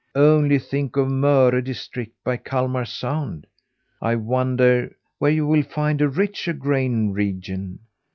Only think of Möre district, by Kalmar Sound! I wonder where you'll find a richer grain region.